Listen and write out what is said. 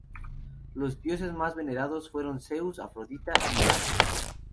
Los dioses más venerados fueron Zeus, Afrodita y Heracles.